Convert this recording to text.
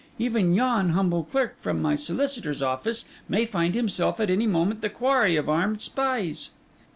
Even yon humble clerk from my solicitor's office may find himself at any moment the quarry of armed spies.